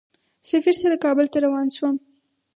سفیر سره کابل ته روان شوم.